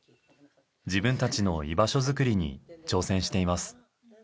自分たちの居場所作りに挑戦しています。